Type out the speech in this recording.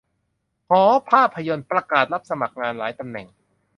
หอภาพยนตร์ประกาศรับสมัครงานหลายตำแหน่ง